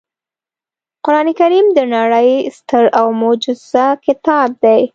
قرانکریم د نړۍ ستر او معجز کتاب دی